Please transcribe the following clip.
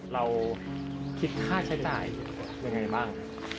เราคิดค่าใช้จ่ายยังไงบ้าง